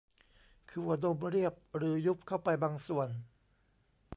คือหัวนมเรียบหรือยุบเข้าไปบางส่วน